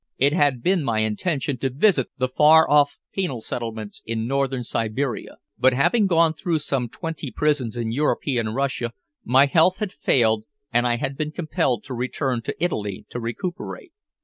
It had been my intention to visit the far off penal settlements in Northern Siberia, but having gone through some twenty prisons in European Russia, my health had failed and I had been compelled to return to Italy to recuperate.